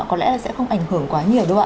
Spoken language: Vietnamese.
có lẽ là sẽ không ảnh hưởng quá nhiều đâu ạ